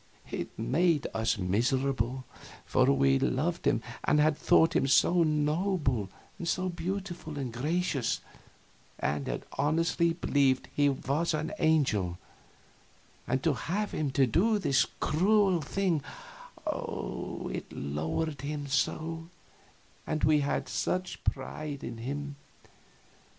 It made us miserable, for we loved him, and had thought him so noble and so beautiful and gracious, and had honestly believed he was an angel; and to have him do this cruel thing ah, it lowered him so, and we had had such pride in him.